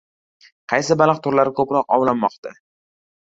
Qaysi baliq turlari ko‘proq ovlanmoqda?